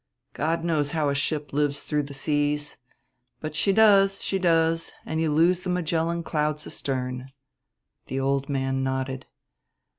God knows how a ship lives through the seas; but she does, she does, and you lose the Magellan clouds astern." The old man nodded.